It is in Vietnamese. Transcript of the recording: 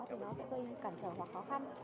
thì nó sẽ gây cản trở hoặc khó khăn